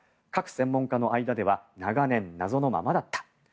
核専門家の間では長年、謎のままだった。